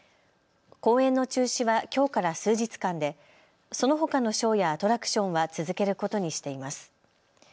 公演の中止はきょうから数日間でそのほかのショーやアトラクションは続けることにしています。